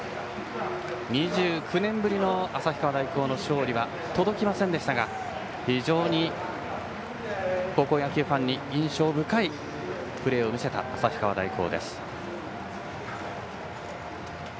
２９年ぶりの旭川大高の勝利は届きませんでしたが非常に高校野球ファンに印象深いプレーを見せた旭川大高です。